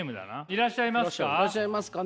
いらっしゃいますか？